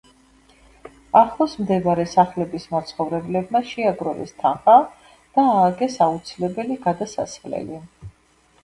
ახლოს მდებარე სახლების მაცხოვრებლებმა შეაგროვეს თანხა და ააგეს აუცილებელი გადასასვლელი.